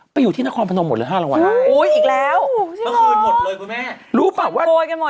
ไปอยู่ที่นครพนมหมดเหรอ๕รางวัลไหมอู๊ยอีกแล้วโอ้โฮใช่หรอมันคืนหมดเลยคุณแม่